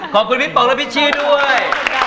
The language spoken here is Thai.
ขอบคุณพี่ป๋องและพิชชี่ด้วย